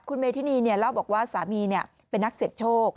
คุณเมธินีเล่าบอกว่าสามีเป็นนักเสี่ยงโชค